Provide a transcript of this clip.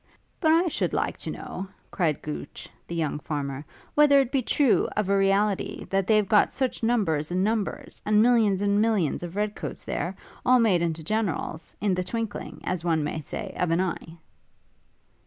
'But I should like to know,' cried Gooch, the young farmer, 'whether it be true, of a reality, that they've got such numbers and numbers, and millions and millions of red coats there, all made into generals, in the twinkling, as one may say, of an eye?'